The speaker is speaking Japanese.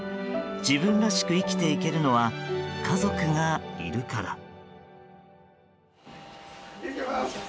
自分らしく生きていけるのは家族がいるから。